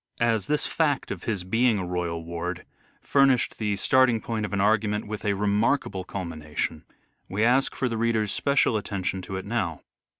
As this fact of his being a royal ward furnished the starting point of an argument with a remarkable culmination, we ask for the reader's special attention to it now.